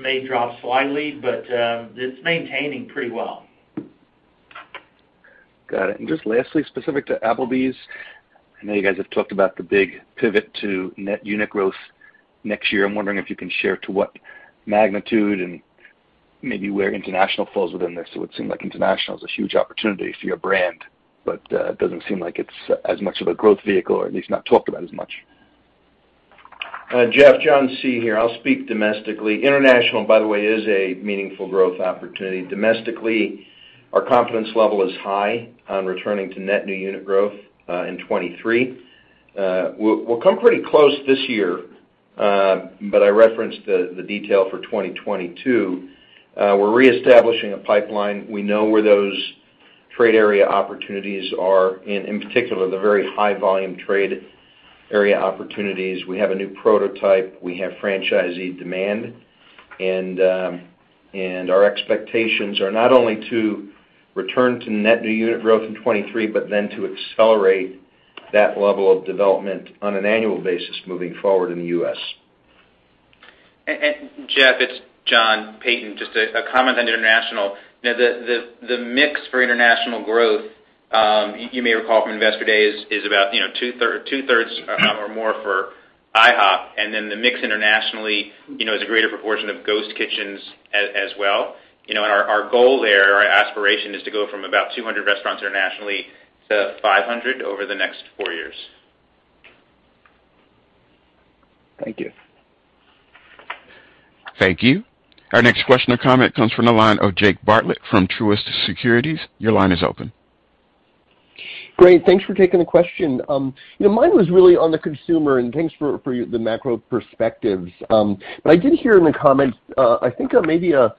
may drop slightly, but it's maintaining pretty well. Got it. Just lastly, specific to Applebee's, I know you guys have talked about the big pivot to net unit growth next year. I'm wondering if you can share to what magnitude and maybe where international falls within this. It seemed like international is a huge opportunity for your brand, but it doesn't seem like it's as much of a growth vehicle or at least not talked about as much. Jeff, John C here. I'll speak domestically. International, by the way, is a meaningful growth opportunity. Domestically, our confidence level is high on returning to net new unit growth in 2023. We'll come pretty close this year, but I referenced the detail for 2022. We're reestablishing a pipeline. We know where those trade area opportunities are, in particular, the very high volume trade area opportunities. We have a new prototype, we have franchisee demand, and our expectations are not only to return to net new unit growth in 2023, but then to accelerate that level of development on an annual basis moving forward in the U.S.. Jeff, it's John Peyton, just a comment on international. Now, the mix for international growth, you may recall from Investor Day, is about, you know, two-thirds or more for IHOP. The mix internationally, you know, is a greater proportion of ghost kitchens as well. You know, our goal there, our aspiration is to go from about 200 restaurants internationally to 500 over the next four years. Thank you. Thank you. Our next question or comment comes from the line of Jake Bartlett from Truist Securities. Your line is open. Great. Thanks for taking the question. You know, mine was really on the consumer, and thanks for the macro perspectives. I did hear in the comments, I think maybe a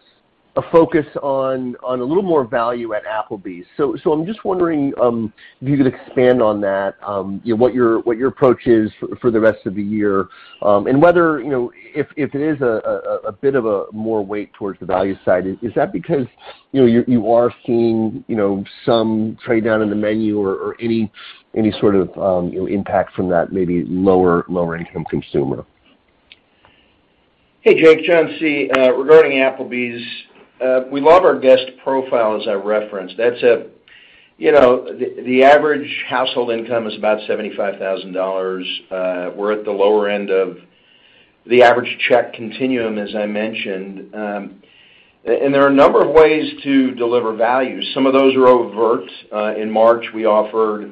focus on a little more value at Applebee's. I'm just wondering, if you could expand on that, you know, what your approach is for the rest of the year, and whether, you know, if it is a bit of a more weight towards the value side, is that because, you know, you are seeing, you know, some trade down in the menu or any sort of, you know, impact from that maybe lower income consumer? Hey, Jake, John C. Regarding Applebee's, we love our guest profile as I referenced. That's you know, the average household income is about $75,000. We're at the lower end of the average check continuum, as I mentioned. There are a number of ways to deliver value. Some of those are overt. In March, we offered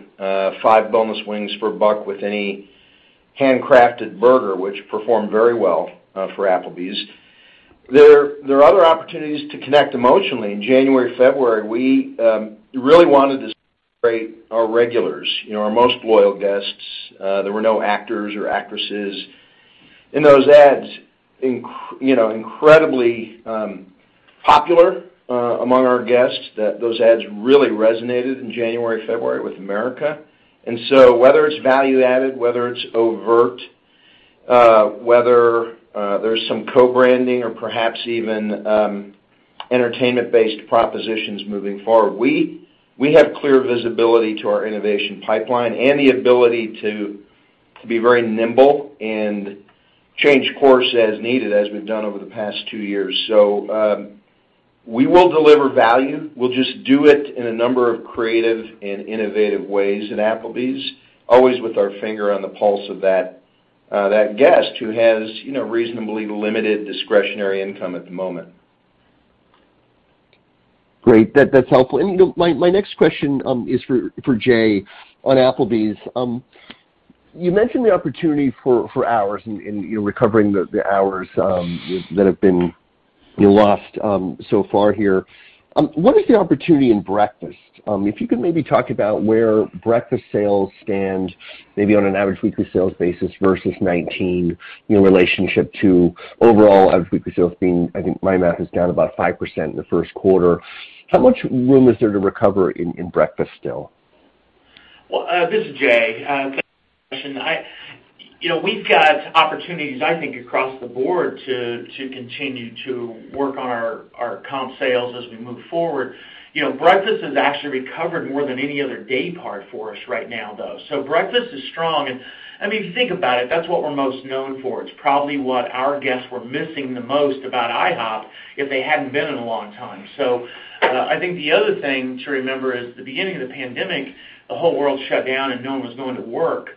five boneless wings for $1 with any handcrafted burger, which performed very well for Applebee's. There are other opportunities to connect emotionally. In January, February, we really wanted to celebrate our regulars, you know, our most loyal guests. There were no actors or actresses in those ads. You know, incredibly popular among our guests, those ads really resonated in January, February with America. Whether it's value-added, whether it's overt, whether there's some co-branding or perhaps even entertainment-based propositions moving forward, we have clear visibility to our innovation pipeline and the ability to be very nimble and change course as needed as we've done over the past two years. We will deliver value. We'll just do it in a number of creative and innovative ways at Applebee's, always with our finger on the pulse of that guest who has, you know, reasonably limited discretionary income at the moment. Great. That's helpful. You know my next question is for Jay on Applebee's. You mentioned the opportunity for hours and you know recovering the hours that have been lost so far here. What is the opportunity in breakfast? If you could maybe talk about where breakfast sales stand, maybe on an average weekly sales basis versus 2019 you know relationship to overall average weekly sales being, I think my math is down about 5% in the first quarter. How much room is there to recover in breakfast still? Well, this is Jay. Question. You know, we've got opportunities, I think, across the board to continue to work on our comp sales as we move forward. You know, breakfast has actually recovered more than any other day part for us right now, though. Breakfast is strong. I mean, if you think about it, that's what we're most known for. It's probably what our guests were missing the most about IHOP if they hadn't been in a long time. I think the other thing to remember is the beginning of the pandemic, the whole world shut down and no one was going to work.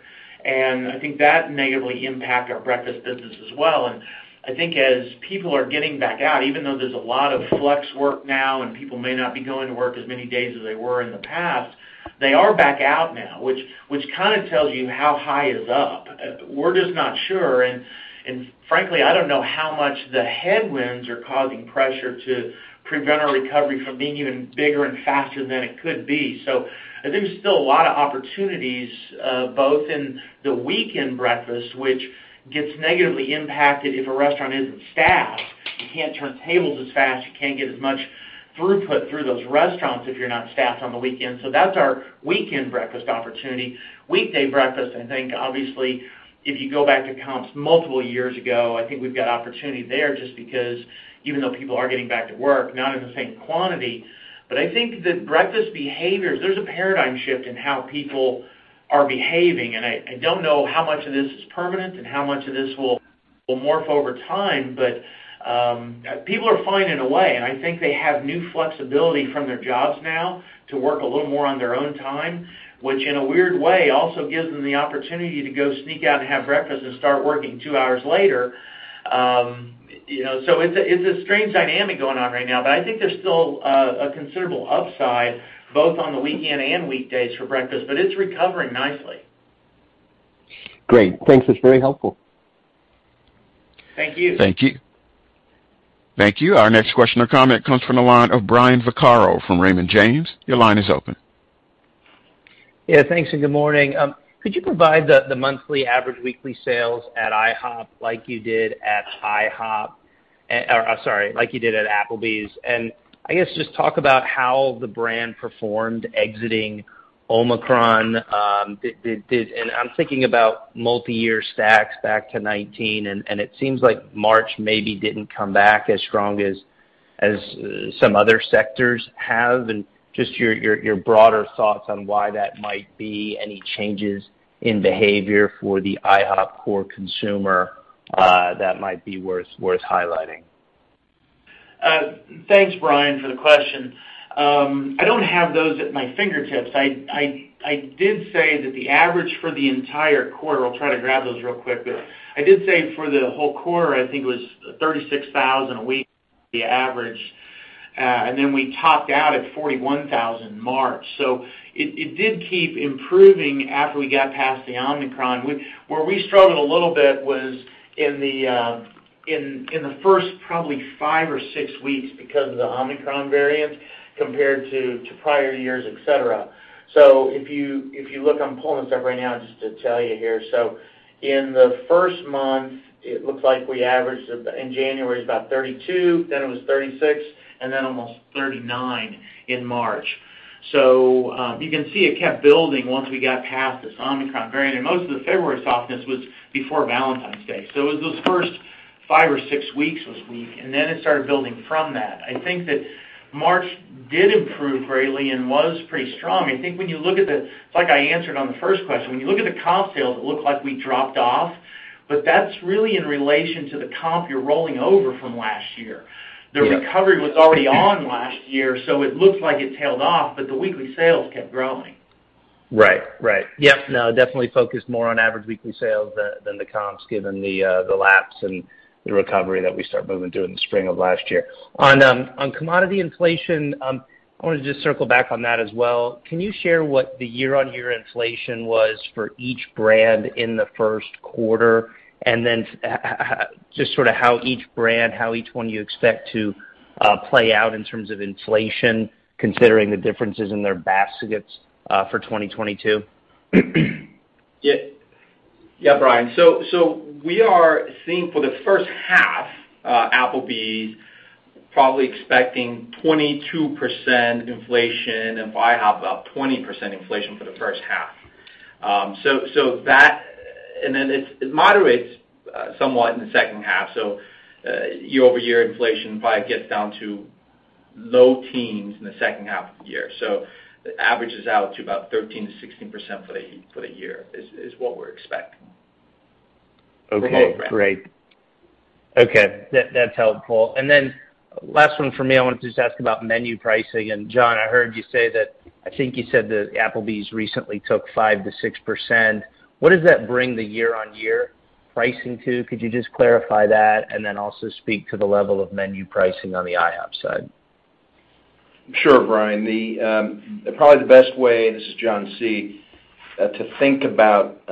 I think that negatively impact our breakfast business as well. I think as people are getting back out, even though there's a lot of flex work now, and people may not be going to work as many days as they were in the past, they are back out now, which kind of tells you how high is up. We're just not sure. Frankly, I don't know how much the headwinds are causing pressure to prevent a recovery from being even bigger and faster than it could be. I think there's still a lot of opportunities both in the weekend breakfast, which gets negatively impacted if a restaurant isn't staffed. You can't turn tables as fast. You can't get as much throughput through those restaurants if you're not staffed on the weekend. That's our weekend breakfast opportunity. Weekday breakfast. I think obviously, if you go back to comps multiple years ago, I think we've got opportunity there just because even though people are getting back to work, not in the same quantity. I think the breakfast behaviors. There's a paradigm shift in how people are behaving, and I don't know how much of this is permanent and how much of this will morph over time. People are fine in a way, and I think they have new flexibility from their jobs now to work a little more on their own time, which in a weird way also gives them the opportunity to go sneak out and have breakfast and start working two hours later. You know, it's a strange dynamic going on right now, but I think there's still a considerable upside both on the weekend and weekdays for breakfast, but it's recovering nicely. Great. Thanks. That's very helpful. Thank you. Thank you. Thank you. Our next question or comment comes from the line of Brian Vaccaro from Raymond James. Your line is open. Yeah, thanks and good morning. Could you provide the monthly average weekly sales at IHOP like you did at Applebee's? I guess just talk about how the brand performed exiting Omicron. Did I think about multi-year stacks back to 2019, and it seems like March maybe didn't come back as strong as some other sectors have, and just your broader thoughts on why that might be, any changes in behavior for the IHOP core consumer that might be worth highlighting. Thanks, Brian, for the question. I don't have those at my fingertips. I did say that the average for the entire quarter. I'll try to grab those real quick here. I did say for the whole quarter, I think it was $36,000 a week, the average. And then we topped out at $41,000 March. It did keep improving after we got past the Omicron. Where we struggled a little bit was in the in the first probably five or six weeks because of the Omicron variant compared to prior years, et cetera. If you look, I'm pulling this up right now just to tell you here. In the first month, it looks like we averaged, in January, it's about $32,000, then it was $36,000, and then almost $39,000 in March. You can see it kept building once we got past this Omicron variant. Most of the February softness was before Valentine's Day. It was those first five or six weeks was weak, and then it started building from that. I think that March did improve greatly and was pretty strong. It's like I answered on the first question. When you look at the comp sales, it looked like we dropped off, but that's really in relation to the comp you're rolling over from last year. Yeah. The recovery was already on last year, so it looks like it tailed off, but the weekly sales kept growing. Right. Yep, no, definitely focused more on average weekly sales than the comps, given the lapse and the recovery that we start moving to in the spring of last year. On commodity inflation, I wanted to just circle back on that as well. Can you share what the year-on-year inflation was for each brand in the first quarter? Just sort of how each brand, how each one you expect to play out in terms of inflation, considering the differences in their baskets for 2022? Yeah. Yeah, Brian. We are seeing for the first half, Applebee's probably expecting 22% inflation, and for IHOP, about 20% inflation for the first half. That moderates somewhat in the second half. Year-over-year inflation probably gets down to low teens in the second half of the year. It averages out to about 13%-16% for the year is what we're expecting. Okay, great. Okay. That's helpful. Last one for me, I want to just ask about menu pricing. John, I heard you say that. I think you said that Applebee's recently took 5%-6%. What does that bring the year-on-year pricing to? Could you just clarify that and then also speak to the level of menu pricing on the IHOP side? Sure, Brian. The probably the best way, this is John C, to think about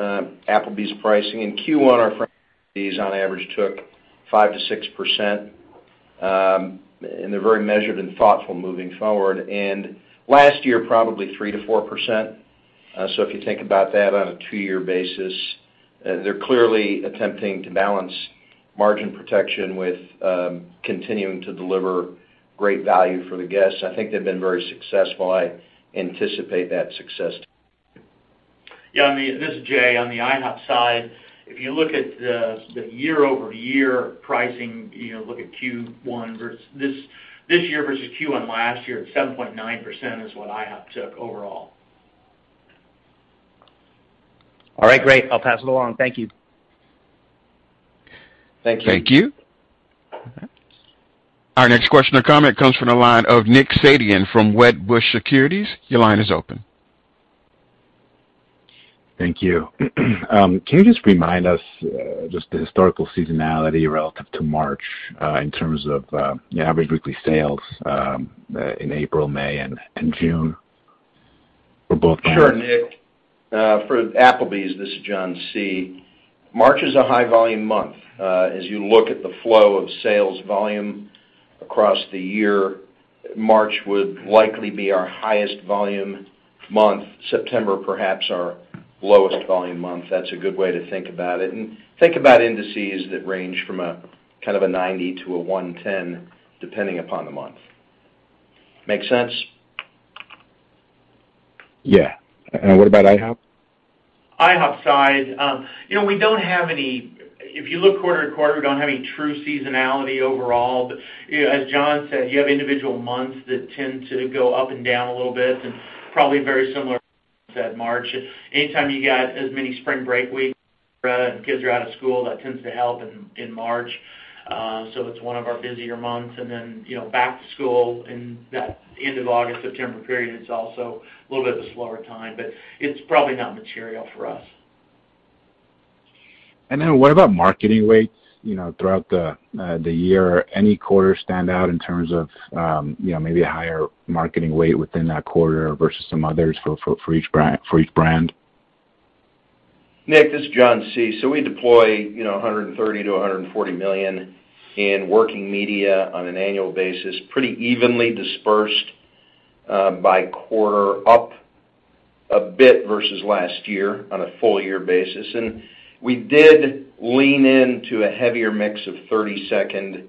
Applebee's pricing. In Q1, our franchisees on average took 5%-6%, and they're very measured and thoughtful moving forward. Last year, probably 3%-4%. If you think about that on a two-year basis, they're clearly attempting to balance margin protection with continuing to deliver great value for the guests. I think they've been very successful. I anticipate that success. This is Jay. On the IHOP side, if you look at the year-over-year pricing, you know, look at Q1 this year versus Q1 last year, 7.9% is what IHOP took overall. All right, great. I'll pass it along. Thank you. Thank you. Thank you. Our next question or comment comes from the line of Nick Setyan from Wedbush Securities. Your line is open. Thank you. Can you just remind us just the historical seasonality relative to March in terms of the average weekly sales in April, May, and June for both brands? Sure, Nick. For Applebee's, this is John C. March is a high volume month. As you look at the flow of sales volume across the year, March would likely be our highest volume month, September perhaps our lowest volume month. That's a good way to think about it. Think about indices that range from a kind of a 90 to a 110, depending upon the month. Make sense? Yeah. What about IHOP? IHOP side, you know, we don't have any. If you look quarter to quarter, we don't have any true seasonality overall. You know, as John said, you have individual months that tend to go up and down a little bit and probably very similar to March. Anytime you got as many spring break weeks, and kids are out of school, that tends to help in March. It's one of our busier months. You know, back to school and that end of August-September period is also a little bit of a slower time, but it's probably not material for us. What about marketing rates, you know, throughout the year? Any quarter stand out in terms of, you know, maybe a higher marketing weight within that quarter versus some others for each brand? Nick, this is John C. We deploy, you know, $130-$140 million in working media on an annual basis, pretty evenly dispersed by quarter, up a bit versus last year on a full year basis. We did lean into a heavier mix of 30-second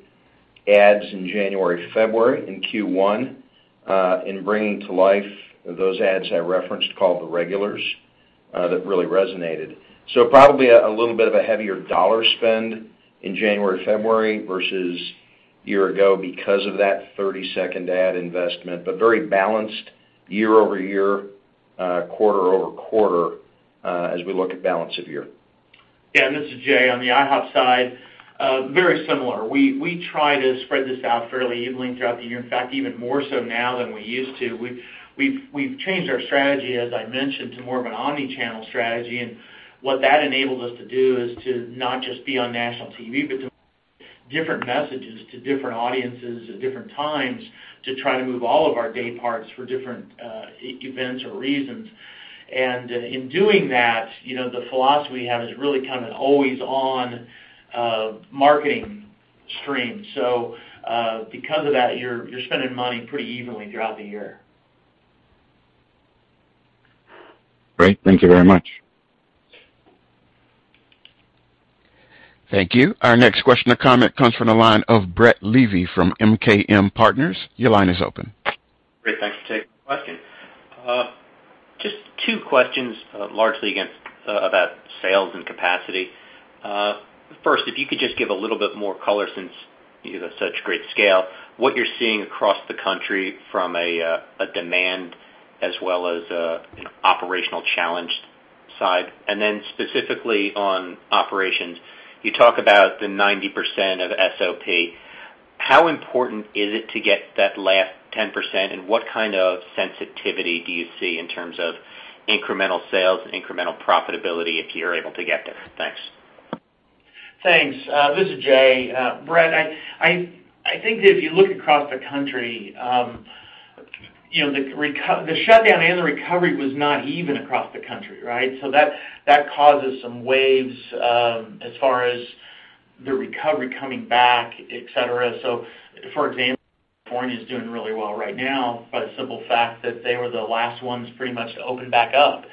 ads in January, February in Q1, in bringing to life those ads I referenced called the Regulars that really resonated. Probably a little bit of a heavier dollar spend in January, February versus year ago because of that 30-second ad investment, but very balanced year-over-year, quarter-over-quarter, as we look at balance of year. Yeah, this is Jay. On the IHOP side, very similar. We try to spread this out fairly evenly throughout the year. In fact, even more so now than we used to. We've changed our strategy, as I mentioned, to more of an omni-channel strategy. What that enables us to do is to not just be on national TV, but to deliver different messages to different audiences at different times to try to move all of our day parts for different events or reasons. In doing that, you know, the philosophy we have is really kind of an always-on marketing stream. Because of that, you're spending money pretty evenly throughout the year. Great. Thank you very much. Thank you. Our next question or comment comes from the line of Brett Levy from MKM Partners. Your line is open. Great. Thanks for taking my question. Just two questions, largely about sales and capacity. First, if you could just give a little bit more color since you have such great scale, what you're seeing across the country from a demand as well as an operational challenges side. Specifically on operations, you talk about the 90% of SOP. How important is it to get that last 10%, and what kind of sensitivity do you see in terms of incremental sales, incremental profitability if you're able to get there? Thanks. Thanks. This is Jay. Brett, I think that if you look across the country, you know, the shutdown and the recovery was not even across the country, right? That causes some waves as far as the recovery coming back, etc. For example, California is doing really well right now by the simple fact that they were the last ones pretty much to open back up.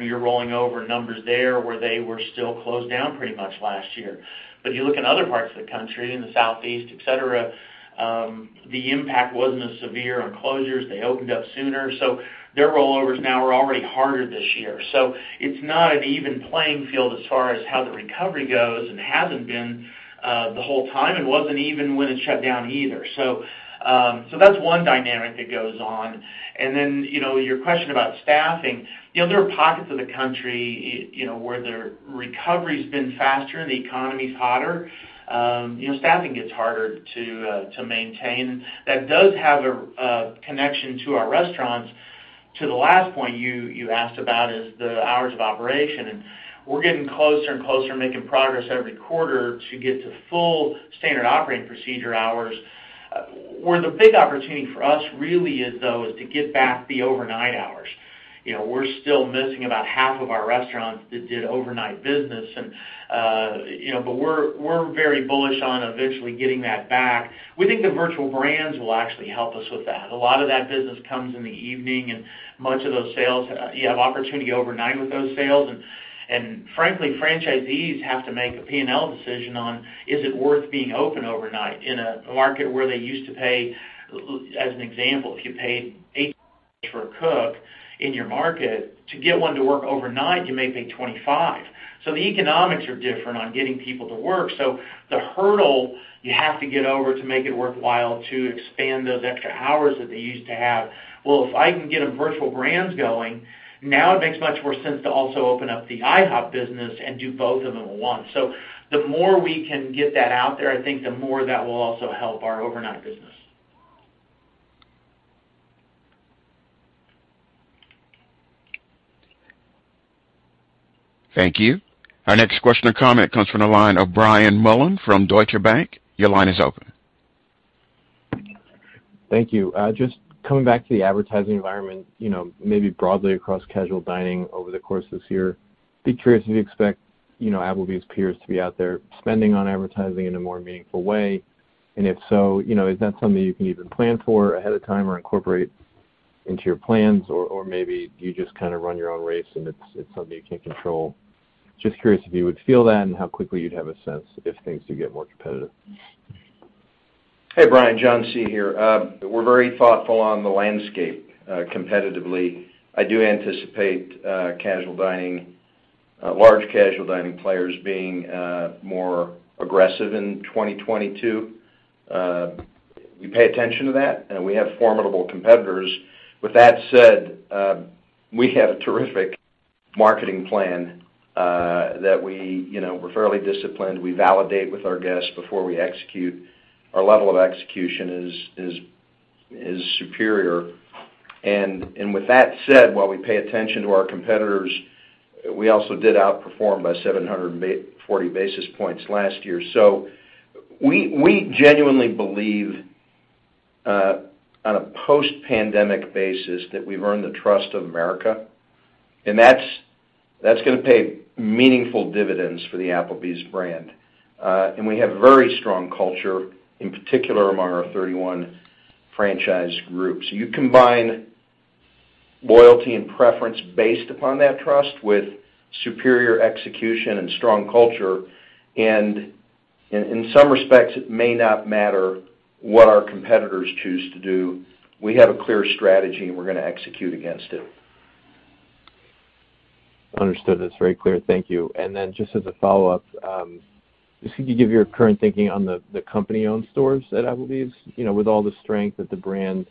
You're rolling over numbers there where they were still closed down pretty much last year. You look in other parts of the country, in the Southeast, etc, the impact wasn't as severe on closures. They opened up sooner, so their rollovers now are already harder this year. It's not an even playing field as far as how the recovery goes, and hasn't been the whole time, and wasn't even when it shut down either. That's one dynamic that goes on. You know, your question about staffing, you know, there are pockets of the country, you know, where their recovery's been faster, the economy's hotter, you know, staffing gets harder to maintain. That does have a connection to our restaurants. The last point you asked about is the hours of operation, and we're getting closer and closer, making progress every quarter to get to full standard operating procedure hours. Where the big opportunity for us really is, though, is to get back the overnight hours. You know, we're still missing about half of our restaurants that did overnight business and, you know, but we're very bullish on eventually getting that back. We think the virtual brands will actually help us with that. A lot of that business comes in the evening, and much of those sales, you have opportunity overnight with those sales. And frankly, franchisees have to make a P&L decision on is it worth being open overnight in a market where they used to pay, as an example, if you paid $8 for a cook in your market, to get one to work overnight, you may pay $25. The economics are different on getting people to work. The hurdle you have to get over to make it worthwhile to expand those extra hours that they used to have. Well, if I can get a virtual brands going, now it makes much more sense to also open up the IHOP business and do both of them at once. The more we can get that out there, I think the more that will also help our overnight business. Thank you. Our next question or comment comes from the line of Brian Mullan from Deutsche Bank. Your line is open. Thank you. Just coming back to the advertising environment, you know, maybe broadly across casual dining over the course of this year, be curious if you expect, you know, Applebee's peers to be out there spending on advertising in a more meaningful way. If so, you know, is that something you can even plan for ahead of time or incorporate into your plans, or maybe do you just kind of run your own race and it's something you can't control? Just curious if you would feel that and how quickly you'd have a sense if things do get more competitive. Hey, Brian. John C here. We're very thoughtful on the landscape, competitively. I do anticipate casual dining large casual dining players being more aggressive in 2022. We pay attention to that, and we have formidable competitors. With that said, we have a terrific marketing plan that we, you know, we're fairly disciplined. We validate with our guests before we execute. Our level of execution is superior. With that said, while we pay attention to our competitors, we also did outperform by 740 basis points last year. We genuinely believe on a post-pandemic basis that we've earned the trust of America, and that's gonna pay meaningful dividends for the Applebee's brand. We have very strong culture, in particular among our 31 franchise groups. You combine loyalty and preference based upon that trust with superior execution and strong culture, and in some respects, it may not matter what our competitors choose to do. We have a clear strategy, and we're gonna execute against it. Understood. That's very clear. Thank you. Then just as a follow-up, just can you give your current thinking on the company-owned stores at Applebee's? You know, with all the strength of the brand,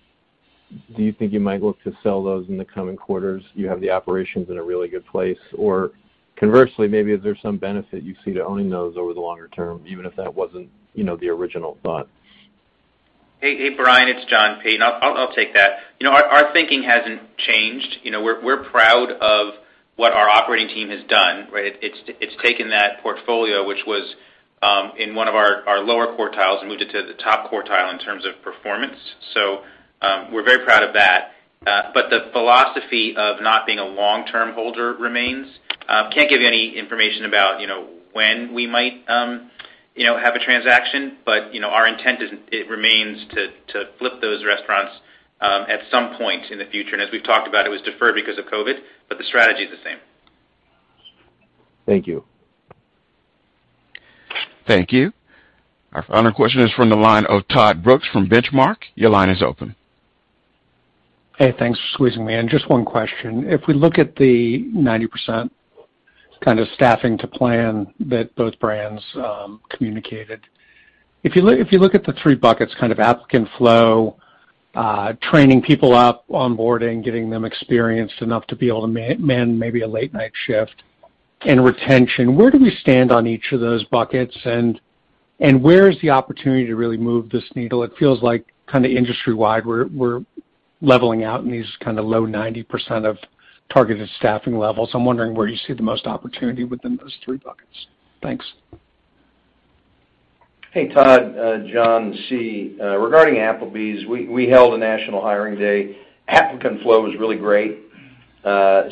do you think you might look to sell those in the coming quarters? Do you have the operations in a really good place? Or conversely, maybe is there some benefit you see to owning those over the longer-term, even if that wasn't, you know, the original thought? Hey, Brian. It's John Peyton. I'll take that. You know, our thinking hasn't changed. You know, we're proud of what our operating team has done, right? It's taken that portfolio, which was in one of our lower quartiles and moved it to the top quartile in terms of performance. We're very proud of that. The philosophy of not being a long-term holder remains. Can't give you any information about, you know, when we might have a transaction. You know, our intent remains to flip those restaurants at some point in the future. As we've talked about, it was deferred because of COVID, but the strategy is the same. Thank you. Thank you. Our final question is from the line of Todd Brooks from Benchmark. Your line is open. Hey, thanks for squeezing me in. Just one question. If we look at the 90% kind of staffing to plan that both brands communicated. If you look at the three buckets, kind of applicant flow, training people up, onboarding, getting them experienced enough to be able to man maybe a late-night shift and retention, where do we stand on each of those buckets? Where is the opportunity to really move this needle? It feels like kind of industry-wide, we're leveling out in these kind of low 90% of targeted staffing levels. I'm wondering where you see the most opportunity within those three buckets. Thanks. Hey, Todd, John C. Regarding Applebee's, we held a national hiring day. Applicant flow was really great,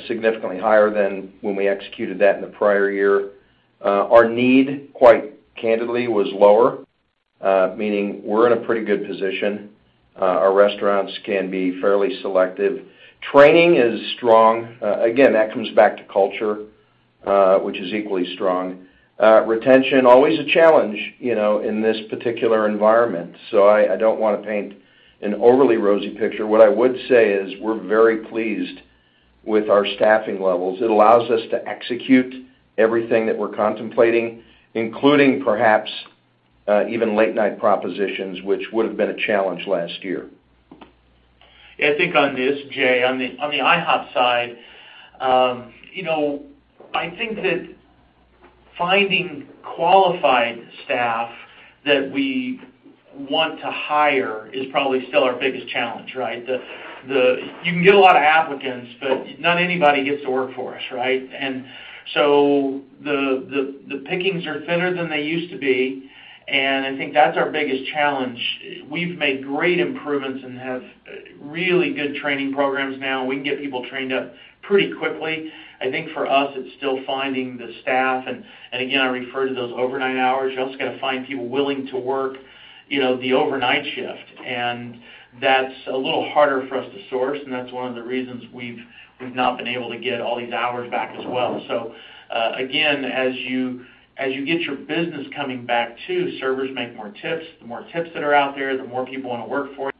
significantly higher than when we executed that in the prior-year. Our need, quite candidly, was lower, meaning we're in a pretty good position. Our restaurants can be fairly selective. Training is strong. Again, that comes back to culture, which is equally strong. Retention, always a challenge, you know, in this particular environment. I don't wanna paint an overly rosy picture. What I would say is we're very pleased with our staffing levels. It allows us to execute everything that we're contemplating, including perhaps even late-night propositions, which would have been a challenge last year. Yeah, I think on this, Jay, on the IHOP side, you know, I think that finding qualified staff that we want to hire is probably still our biggest challenge, right? You can get a lot of applicants, but not anybody gets to work for us, right? The pickings are thinner than they used to be, and I think that's our biggest challenge. We've made great improvements and have really good training programs now. We can get people trained up pretty quickly. I think for us, it's still finding the staff and again, I refer to those overnight hours. You also got to find people willing to work, you know, the overnight shift. That's a little harder for us to source, and that's one of the reasons we've not been able to get all these hours back as well. Again, as you get your business coming back too, servers make more tips. The more tips that are out there, the more people wanna work for you.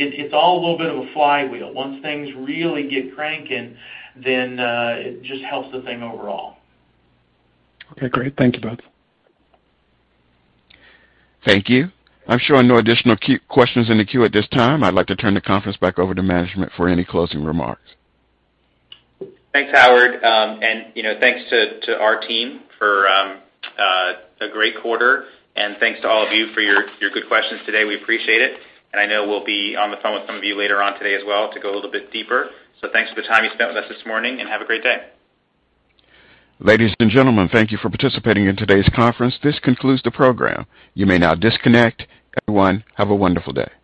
It's all a little bit of a flywheel. Once things really get cranking, then it just helps the thing overall. Okay, great. Thank you both. Thank you. I'm showing no additional questions in the queue at this time. I'd like to turn the conference back over to management for any closing remarks. Thanks, Howard. You know, thanks to our team for a great quarter. Thanks to all of you for your good questions today. We appreciate it. I know we'll be on the phone with some of you later on today as well to go a little bit deeper. Thanks for the time you spent with us this morning, and have a great day. Ladies and gentlemen, thank you for participating in today's conference. This concludes the program. You may now disconnect. Everyone, have a wonderful day.